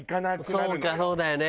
そうかそうだよね。